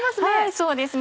そうですね。